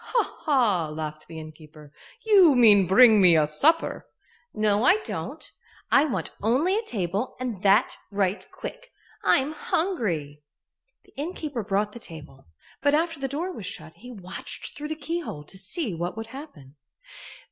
"Ha! ha!" laughed the innkeeper. "You mean bring me a supper." "No, I don't. I want only a table and that right quick. I'm hungry." The innkeeper brought the table, but after the door was shut he watched through the keyhole to see what would happen.